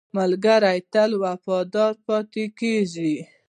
ملګری تل وفادار پاتې کېږي